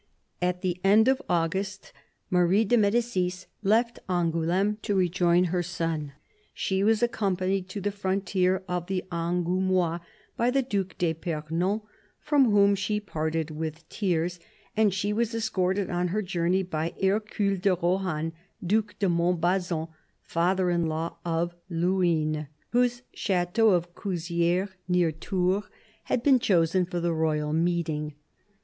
At the end of August Marie de Medicis left Angouleme to rejoin her son. She was accompanied to the frontier of the Angoumois by the Due d'Epernon, from whom she parted with tears, and she was escorted on her journey by Hercule de Rohan, Due de Montbazon, father in law of Luynes, whose chateau of Couzieres, near Tours, had THE BISHOP OF LUQON 119 been chosen for the royal meeting.